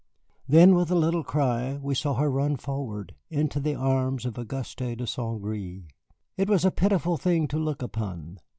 Then, with a little cry, we saw her run forward into the arms of Auguste de St. Gré. It was a pitiful thing to look upon.